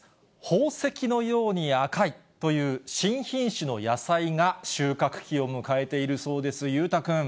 宝石のように赤いという、新品種の野菜が収穫期を迎えているそうです。